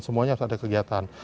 semuanya harus ada kegiatan